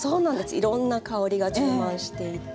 いろんな香りが充満していて。